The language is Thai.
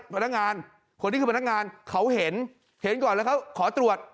พนักงานคนที่คือพนักงานเขาเห็นเห็นก่อนแล้วเขาขอตรวจ